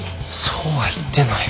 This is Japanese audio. そうは言ってない。